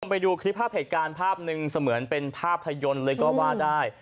ไปดูคลิปภาพเหตุการณ์ภาพหนึ่งเสมือนเป็นภาพยนตร์เลยก็ว่าได้